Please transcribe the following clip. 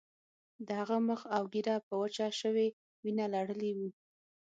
د هغه مخ او ږیره په وچه شوې وینه لړلي وو